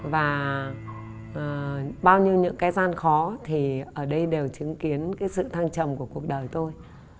và bao nhiêu những cái gian khó thì ở đây đều chứng kiến cái sự thăng trầm của cuộc đời tôi